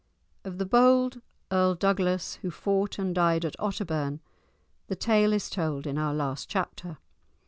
Of the bold Earl Douglas who fought and died at Otterbourne the tale is told in our last chapter.